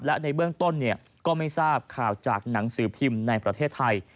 และในเบื้องต้นก็ไม่ทราบข่าวจากหนังสือพิมพ์ในประเทศไทย